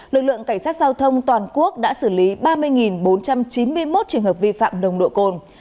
lực lượng cảnh sát giao thông toàn quốc đã xử lý ba mươi bốn trăm chín mươi một trường hợp vi phạm nồng độ cồn